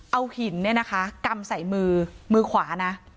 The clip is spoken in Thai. เอาหินเนี่ยนะคะกำใส่มือมือมือขวานะ